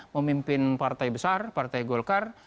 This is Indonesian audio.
memimpin partai besar partai golkar